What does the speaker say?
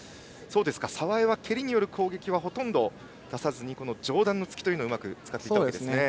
澤江は蹴りによる攻撃はほとんど出さずに上段の突きをうまく使っていったんですね。